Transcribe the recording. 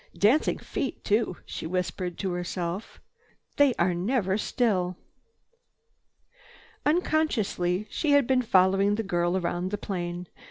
"Dancing feet too," she whispered to herself. "They are never still." Unconsciously she had been following the girl round the plane.